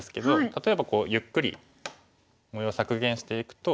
例えばゆっくり模様削減していくと。